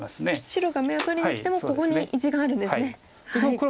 白が眼を取りにきてもここに１眼あるんですね。